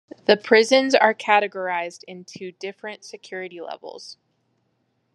The prisons are categorized into different security levels.